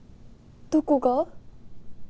どこが？